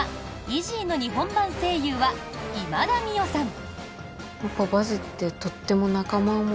イジーの日本版声優は今田美桜さん。